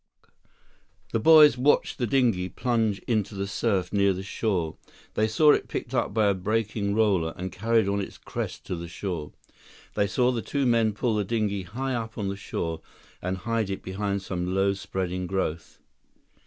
The boys watched the dinghy plunge into the surf near the shore. They saw it picked up by a breaking roller, and carried on its crest to the shore. They saw the two men pull the dinghy high up on the shore and hide it behind some low, spreading growth.